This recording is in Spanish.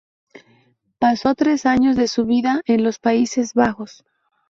Pasó tres años de su vida en los Países Bajos.